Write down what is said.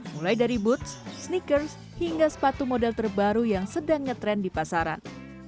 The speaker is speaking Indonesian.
mulai dari boots sneakers hingga sepatu model terbaru yang sedang ngetrend di pasaran